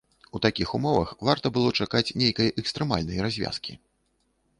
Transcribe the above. У такіх умовах варта было чакаць нейкай экстрэмальнай развязкі.